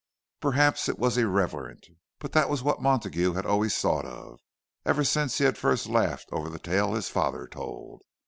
Perhaps it was irreverent, but that was what Montague had always thought of, ever since he had first laughed over the tale his father told.